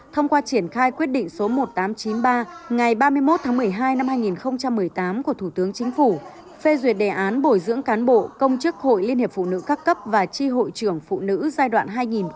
thông qua triển khai quyết định số một nghìn tám trăm chín mươi ba ngày ba mươi một tháng một mươi hai năm hai nghìn một mươi tám của thủ tướng chính phủ phê duyệt đề án bồi dưỡng cán bộ công chức hội liên hiệp phụ nữ các cấp và tri hội trưởng phụ nữ giai đoạn hai nghìn một mươi chín hai nghìn hai mươi